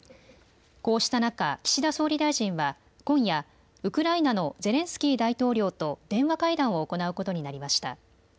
こうした中、岸田総理大臣は今夜、ウクライナのゼレンスキー大統領と電話会談を行うことになりました。